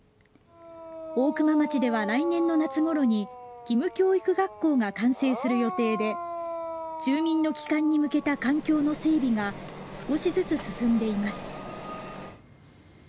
大熊町では来年の夏ごろに義務教育学校が完成する予定で住民の帰還に向けた環境の整備が少しずつ進んでいます。